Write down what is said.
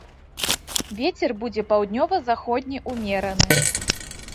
Вецер будзе паўднёва-заходні ўмераны.